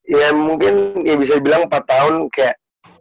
ya mungkin ya bisa dibilang empat tahun kayak